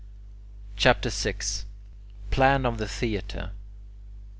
CHAPTER VI PLAN OF THE THEATRE 1.